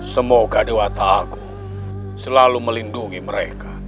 semoga dewa ta'agu selalu melindungi mereka